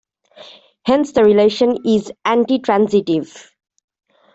Hence the relation is antitransitive.